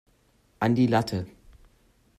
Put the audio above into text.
An die Latte!